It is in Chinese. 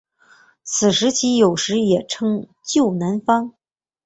此时期有时也称旧南方。